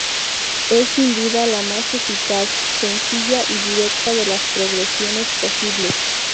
Es sin duda la más eficaz, sencilla y directa de las progresiones posibles.